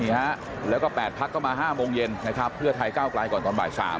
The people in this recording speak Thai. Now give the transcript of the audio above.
ฮะแล้วก็๘พักก็มา๕โมงเย็นนะครับเพื่อไทยก้าวกลายก่อนตอนบ่าย๓